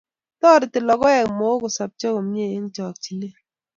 Toreti logoek Mook kosobcho komie eng chokchinet